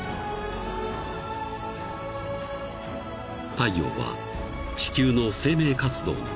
［太陽は地球の生命活動の源］